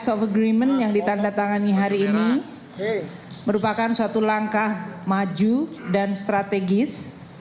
of agreement yang ditandatangani hari ini merupakan suatu langkah maju dan strategis